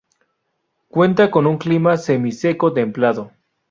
Cuenta con un clima Semiseco templado.